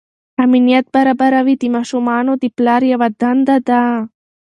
امنیت برابروي د ماشومانو د پلار یوه دنده ده.